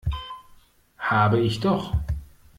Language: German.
Habe ich doch!